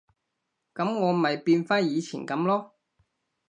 噉我咪變返以前噉囉